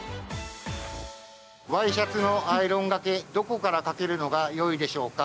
ワイシャツのアイロンがけどこからかけるのがよいでしょうか？